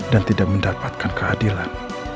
dan tidak mendapatkan keadilan